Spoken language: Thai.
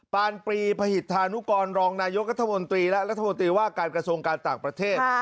ปานปรีพหิตธานุกรรองนายกระทรวงการกระทรวงการต่างประเทศ